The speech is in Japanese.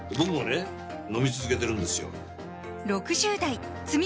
飲み続けてるんですよ